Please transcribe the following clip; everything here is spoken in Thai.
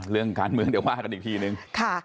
เรื่องการเมืองเดี๋ยวว่ากันอีกทีนึง